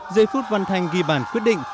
dây phút văn thanh ghi bản quyết định